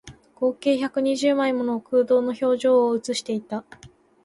合計百二十枚もの空洞の表情を写していた